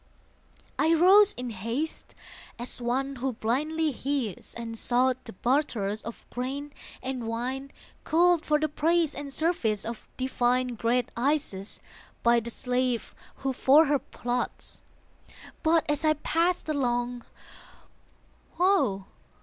I rose in haste, as one who blindly hears, And sought the barterers of grain and wine Culled for the praise and service of divine Great Isis, by the slave who for her plods. But as I passed along, woe!